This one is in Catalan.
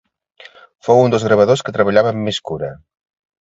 Fou un dels gravadors que treballava amb més cura.